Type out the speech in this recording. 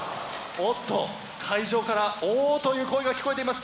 おっと会場から「お」という声が聞こえています。